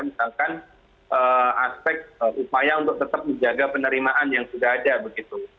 misalkan aspek upaya untuk tetap menjaga penerimaan yang sudah ada begitu